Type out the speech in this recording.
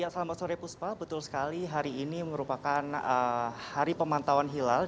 selamat sore puspa betul sekali hari ini merupakan hari pemantauan hilal